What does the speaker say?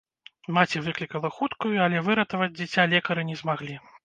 Маці выклікала хуткую, але выратаваць дзіця лекары не змаглі.